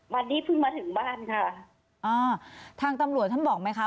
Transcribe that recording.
วันนี้เพิ่งมาถึงบ้านค่ะอ่าทางตำรวจท่านบอกไหมคะ